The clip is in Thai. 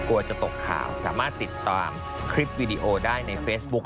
อ่าไม่อยากให้คุณกลับมาหาเราอีก